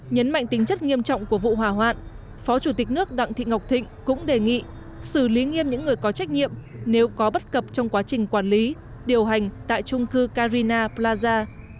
nhấn mạnh tính chất nghiêm trọng của vụ hỏa hoạn phó chủ tịch nước đặng thị ngọc thịnh cũng đề nghị xử lý nghiêm những người có trách nhiệm nếu có bất cập trong quá trình quản lý điều hành tại trung cư carina plaza